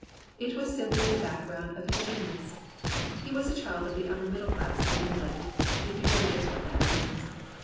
It was simply the background of his genius. He was a child of the upper middle class in England — if you know just what that means.